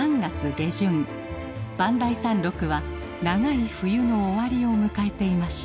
磐梯山麓は長い冬の終わりを迎えていました。